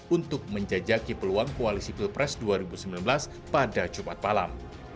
untuk menjajaki peluang koalisi pilpres dua ribu sembilan belas pada jumat malam